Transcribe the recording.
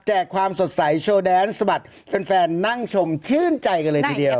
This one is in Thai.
ความสดใสโชว์แดนสะบัดแฟนนั่งชมชื่นใจกันเลยทีเดียว